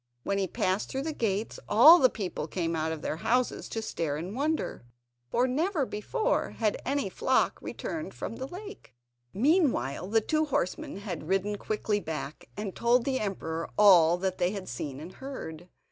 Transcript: When he passed through the gates all the people came out of their houses to stare in wonder, for never before had any flock returned from the lake. Meanwhile the two horsemen had ridden quickly back, and told the emperor all that they had seen and heard.